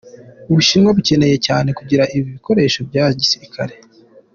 "Ubushinwa bucyeneye cyane kugira ibi bikoresho bya gisirikare.